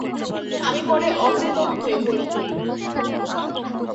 আমি পরে অচেতন হয়ে পড়ি।